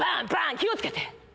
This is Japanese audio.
気を付けて！